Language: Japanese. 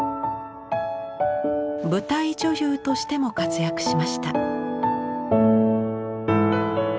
舞台女優としても活躍しました。